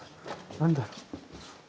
何だろう？